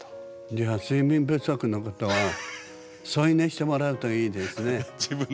じゃあ睡眠不足の方は添い寝してもらうといいですね。